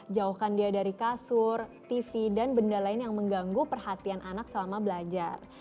jauhkan dia dari kasur tv dan benda lain yang mengganggu perhatian anak selama belajar